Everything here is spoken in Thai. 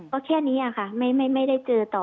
ก็แค่นี้ค่ะไม่ได้เจอต่อ